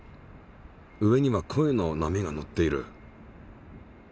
上には声の波がのっている。